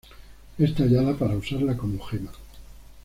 Es tallada para usarla como gema.